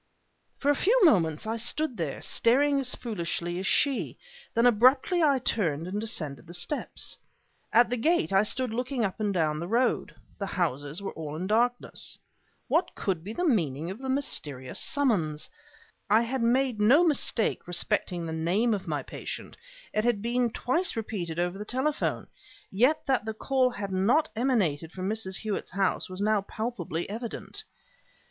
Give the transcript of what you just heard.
For a few moments I stood there, staring as foolishly as she; then abruptly I turned and descended the steps. At the gate I stood looking up and down the road. The houses were all in darkness. What could be the meaning of the mysterious summons? I had made no mistake respecting the name of my patient; it had been twice repeated over the telephone; yet that the call had not emanated from Mrs. Hewett's house was now palpably evident.